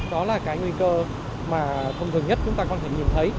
đó là cái nguy cơ mà thông thường nhất chúng ta có thể nhìn thấy